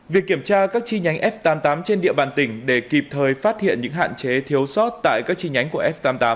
việc kiểm tra các chi nhánh f tám mươi tám trên địa bàn tỉnh để kịp thời phát hiện những hạn chế thiếu sót tại các chi nhánh của f tám mươi tám